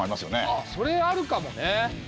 あっそれあるかもね。